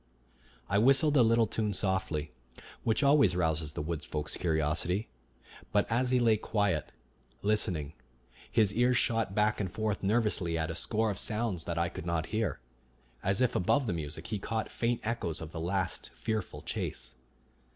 I whistled a little tune softly, which always rouses the wood folk's curiosity; but as he lay quiet, listening, his ears shot back and forth nervously at a score of sounds that I could not hear, as if above the music he caught faint echoes of the last fearful chase.